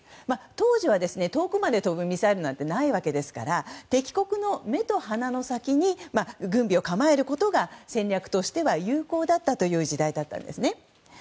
当時は、遠くまで飛ぶミサイルはないわけですから敵国の目と鼻の先に軍備を構えることが戦略としては有効だったという時代だったんですね。